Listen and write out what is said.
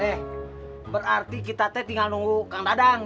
eh berarti kita teh tinggal nunggu kang dadang